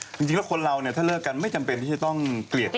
จริงแล้วคนเราเนี่ยถ้าเลิกกันไม่จำเป็นที่จะต้องเกลียดกัน